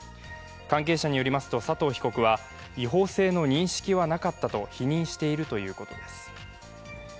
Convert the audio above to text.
関係者によりますと、佐藤被告は違法性の認識はなかったと否認しているということです。